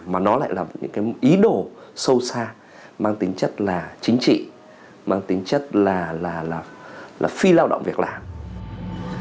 mà nó lại là những cái ý đồ sâu xa mang tính chất là chính trị mang tính chất là phi lao động việc làm